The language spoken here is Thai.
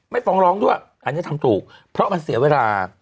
ฟ้องร้องด้วยอันนี้ทำถูกเพราะมันเสียเวลา